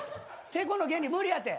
てこの原理無理やって。